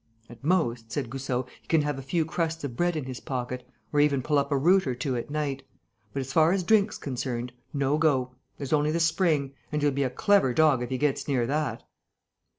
"At most," said Goussot, "he can have a few crusts of bread in his pocket, or even pull up a root or two at night. But, as far as drink's concerned, no go. There's only the spring. And he'll be a clever dog if he gets near that."